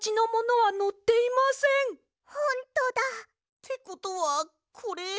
ってことはこれ。